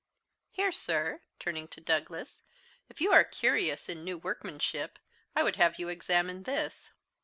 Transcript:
Here, sir," turning to Douglas, "if you are curious in new workmanship, I would have you examine this.